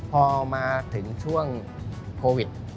พอมาถึงช่วงโควิด